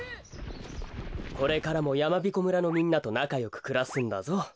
これからもやまびこ村のみんなとなかよくくらすんだぞ。